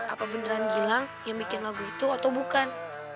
apa beneran gilang yang bikin lagu itu atau bukan